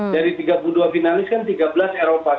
dari tiga puluh dua finalis kan tiga belas eropa